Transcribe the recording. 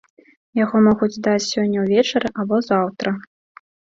Яго могуць даць сёння ўвечары або заўтра.